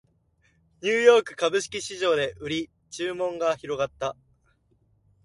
ニューヨーク株式市場で売り注文が広がった